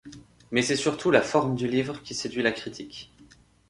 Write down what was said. Mais c'est surtout la forme du livre qui séduit la critique.